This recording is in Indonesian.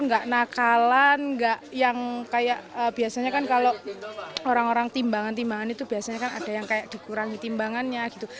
nggak nakalan nggak yang kayak biasanya kan kalau orang orang timbangan timbangan itu biasanya kan ada yang kayak dikurangi timbangannya gitu